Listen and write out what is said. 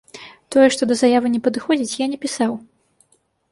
Тое, што да заявы не падыходзіць, я не пісаў.